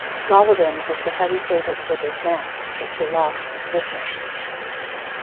Golovin was the heavy favourite for this match, but she lost this match.